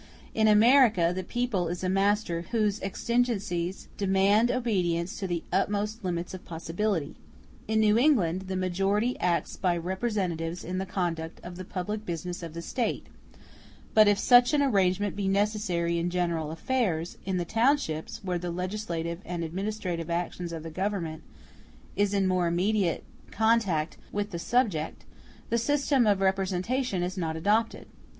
In America the people is a master whose exigencies demand obedience to the utmost limits of possibility. In New England the majority acts by representatives in the conduct of the public business of the State; but if such an arrangement be necessary in general affairs, in the townships, where the legislative and administrative action of the government is in more immediate contact with the subject, the system of representation is not adopted.